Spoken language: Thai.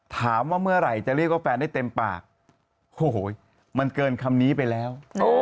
ถามว่าเมื่อไหร่จะเรียกว่าแฟนได้เต็มปากโอ้โหมันเกินคำนี้ไปแล้ว